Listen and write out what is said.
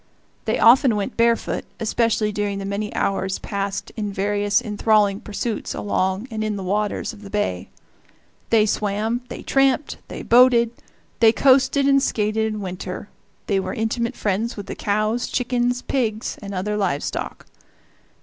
They often went barefoot, especially during the many hours passed in various enthralling pursuits along and in the waters of the bay. They swam, they tramped, they boated, they coasted and skated in winter, they were intimate friends with the cows, chickens, pigs, and other live stock.